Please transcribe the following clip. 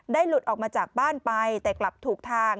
หลุดออกมาจากบ้านไปแต่กลับถูกทาง